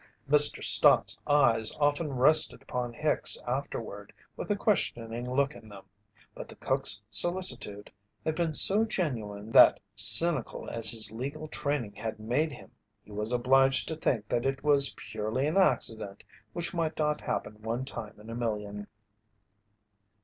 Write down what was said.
Mr. Stott's eyes often rested upon Hicks afterward with a questioning look in them, but the cook's solicitude had been so genuine that cynical as his legal training had made him, he was obliged to think that it was purely an accident which might not happen one time in a million.